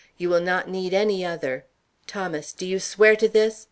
You will not need any other. Thomas, do you swear to this?